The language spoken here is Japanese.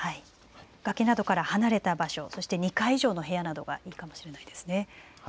崖などから離れた場所、２階以上の部屋などがいいかもしれないですね。